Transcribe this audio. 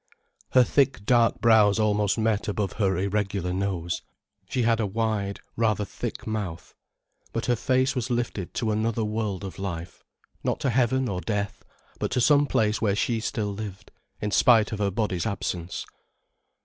Her thick dark brows almost met above her irregular nose, she had a wide, rather thick mouth. But her face was lifted to another world of life: not to heaven or death: but to some place where she still lived, in spite of her body's absence.